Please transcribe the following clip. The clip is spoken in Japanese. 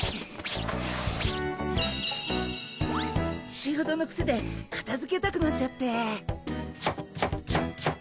仕事のクセでかたづけたくなっちゃって。